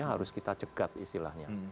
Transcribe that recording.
harus kita cegat istilahnya